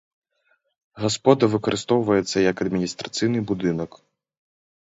Гаспода выкарыстоўваецца як адміністрацыйны будынак.